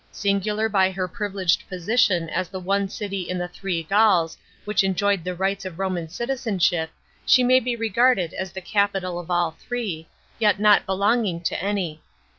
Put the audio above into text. Singular by her privileged position as the one city in the three Gauls which enjoyed the rights of Roman citizenship she may be regarded as the capital of all three, yet not belonging to any.